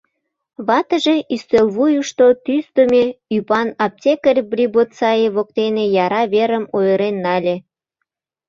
Ватыже, ӱстел вуйышто, тӱсдымӧ ӱпан аптекарь Прибоцаи воктене яра верым ойырен нале.